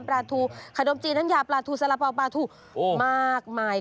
ปลาทูขนมจีนน้ำยาปลาทูสาระเป๋าปลาทูมากมาย